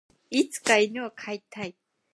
いつか犬を飼いたい。